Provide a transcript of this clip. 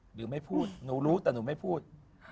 หรือไม่พูดหนูรู้แต่หนูไม่พูด